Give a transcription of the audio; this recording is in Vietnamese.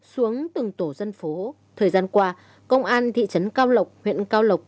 xuống từng tổ dân phố thời gian qua công an thị trấn cao lộc huyện cao lộc